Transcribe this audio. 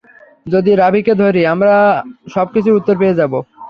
যদি রাভিকে ধরি, আমরা সবকিছুর উত্তর পেয়ে যাব।